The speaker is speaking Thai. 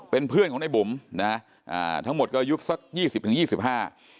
เป็นเพื่อนของให้บุ๋มทั้งหมดก็ยุคนิจสัก๒๐๒๕